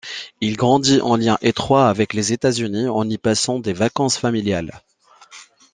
Il grandit en lien étroit avec les États-Unis en y passant des vacances familiales.